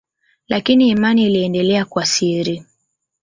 Lakini imani iliendelea kwa siri.